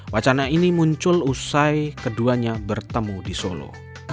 wacana ini muncul usai keduanya bertemu di solo